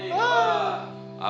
benar bisa nih pak